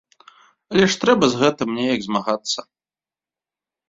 Але трэба ж з гэтым неяк змагацца.